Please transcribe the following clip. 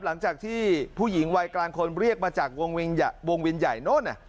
หลังจากที่ผู้หญิงวัยกลางคนเรียกมาจากวงวินใหญ่โน้น